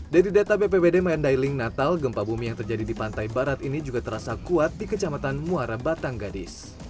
dari data bpbd mandailing natal gempa bumi yang terjadi di pantai barat ini juga terasa kuat di kecamatan muara batang gadis